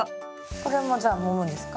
これもじゃあもむんですか？